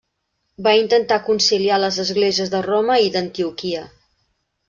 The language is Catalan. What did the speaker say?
Va intentar conciliar les esglésies de Roma i d'Antioquia.